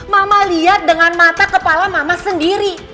mama lihat dengan mata kepala mama sendiri